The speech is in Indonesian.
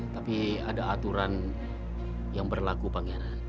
tapi ada aturan yang berlaku pangeran